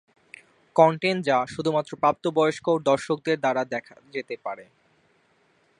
Content যা শুধুমাত্র প্রাপ্তবয়স্ক দর্শকদের দ্বারা দেখা যেতে পারে।